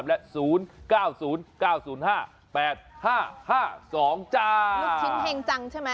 ลูกชิ้นเห็งจังใช่ไหม